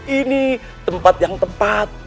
ini tempat yang tepat